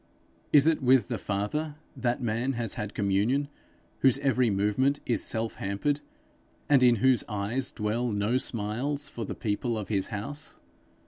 Is it with the Father that man has had communion, whose every movement is self hampered, and in whose eyes dwell no smiles for the people of his house?